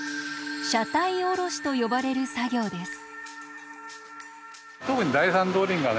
車体おろしと呼ばれる作業です。